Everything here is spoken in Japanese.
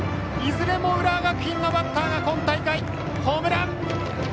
いずれも浦和学院のバッターが今大会、ホームラン！